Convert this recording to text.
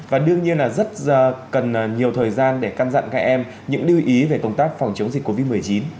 và đương nhiên là rất cần nhiều thời gian để căn dặn các em những lưu ý về công tác phòng chống dịch covid một mươi chín